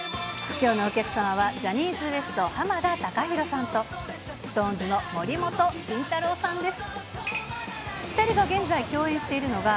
きょうのお客様は、ジャニーズＷＥＳＴ・浜田たかひろさんと、ＳｉｘＴＯＮＥＳの森本慎太郎さんです。